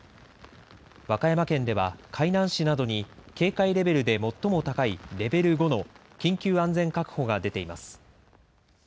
和歌山県では海南市などに警戒レベルで最も高いレベル５の緊急安全確保が出ています。